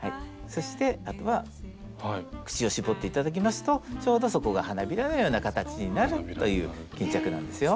そしてあとは口を絞って頂きますとちょうどそこが花びらのような形になるという巾着なんですよ。